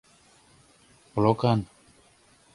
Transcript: — Плокан.